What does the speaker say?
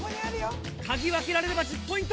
嗅ぎ分けられれば１０ポイント！